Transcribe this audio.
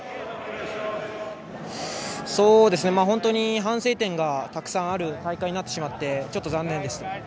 本当に反省点がたくさんある大会になってしまってちょっと残念です。